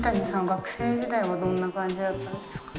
学生時代はどんな感じだったんですか？